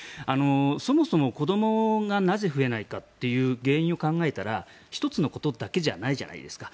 そもそも、子どもがなぜ増えないかという原因を考えたら１つのことだけじゃないじゃないですか。